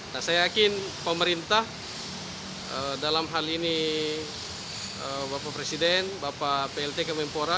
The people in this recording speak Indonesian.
nah saya yakin pemerintah dalam hal ini bapak presiden bapak plt kemenpora